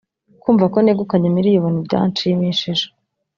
kumva ko negukanye miliyoni byanshimishije